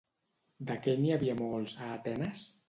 De què n'hi havia molts, a Atenes?